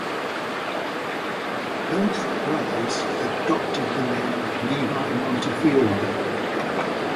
Both brothers adopted the name "Levi Montefiore".